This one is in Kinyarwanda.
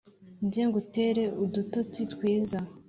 nze ngutere udutotsi twiza ;